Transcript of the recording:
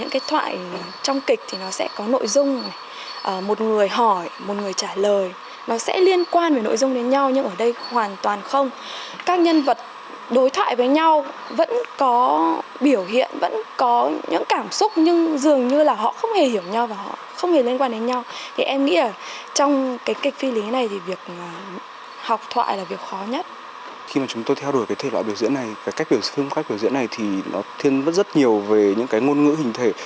khi mà chúng tôi theo đuổi cái thể loại biểu diễn này cái cách biểu diễn này thì nó thiên vất rất nhiều về những cái ngôn ngữ hình thể